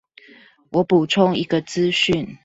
我補充一個資訊